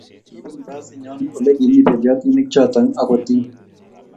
Kibun basit nyo olekimii beliotinik choto akotiny